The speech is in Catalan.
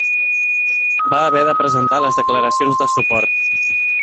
Va haver de presentar les declaracions de suport.